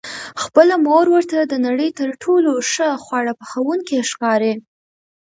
خپله مور ورته د نړۍ تر ټولو ښه خواړه پخوونکې ښکاري.